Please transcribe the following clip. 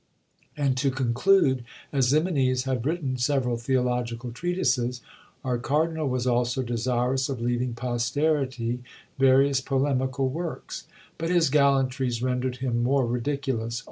And, to conclude, as Ximenes had written several theological treatises, our cardinal was also desirous of leaving posterity various polemical works. But his gallantries rendered him more ridiculous.